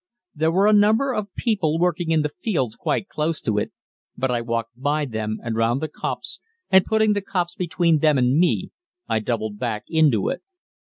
There were a number of people working in the fields quite close to it, but I walked by them and round the copse, and putting the copse between them and me I doubled back into it.